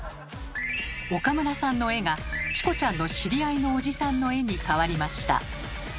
岡村さんの絵が「チコちゃんの知り合いのおじさん」の絵に変わりました。